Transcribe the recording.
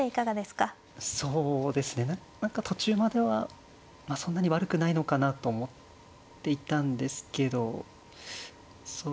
そうですね何か途中まではそんなに悪くないのかなと思っていたんですけどそうですね